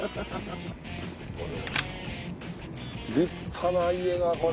立派な家がこれ。